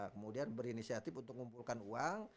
kemudian berinisiatif untuk ngumpulkan uang